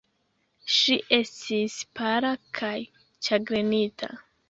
Ŝi estis pala kaj ĉagrenita.